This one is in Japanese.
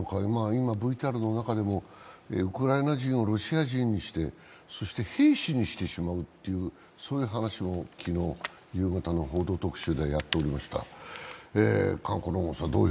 今、ＶＴＲの中でもウクライナ人をロシア人にしてそして兵士にしてしまうという話も昨日夕方の「報道特集」でやっておりました。